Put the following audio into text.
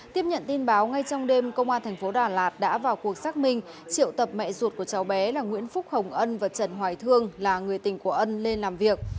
tiếp nhận tin báo ngay trong đêm công an thành phố đà lạt đã vào cuộc xác minh triệu tập mẹ ruột của cháu bé là nguyễn phúc hồng ân và trần hoài thương là người tình của ân lên làm việc